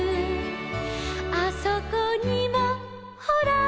「あそこにもほら」